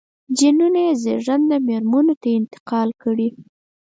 جینونه یې زېږنده مېرمنو ته انتقال کړي.